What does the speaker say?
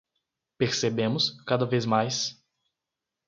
Percebemos, cada vez mais